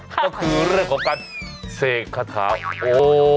ก็คือเรื่องของการเศษขาดขาวโอ้